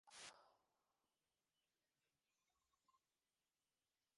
অন্যদিকে একাধিক ইউনিটের মাধ্যমে একাধিক বিআইএন নিয়ে যেসব প্রতিষ্ঠান ব্যবসায় পরিচালনা করছে।